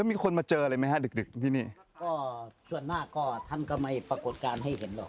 มีคนมาเจออะไรไหมฮะดึกดึกที่นี่ก็ส่วนมากก็ท่านก็ไม่ปรากฏการณ์ให้เห็นหรอก